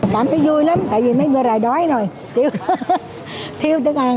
bạn thấy vui lắm tại vì mấy bữa rồi đói rồi thiếu thức ăn